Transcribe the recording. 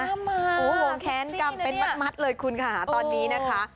โอ้โหคงแค้นกันเป็นมัดเลยคุณค่ะตอนนี้นะคะ